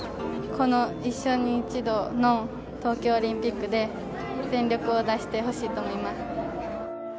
この一生に一度の東京オリンピックで、全力を出してほしいと思います。